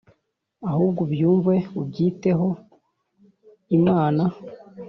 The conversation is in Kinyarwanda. ahubwo ubyumve uby ite ho. amina.